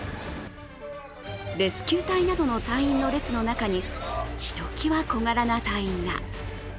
レスキュー隊などの隊員の列の中にひときわ小柄な隊員が。